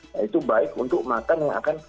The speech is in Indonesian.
nah itu baik untuk makan yang akan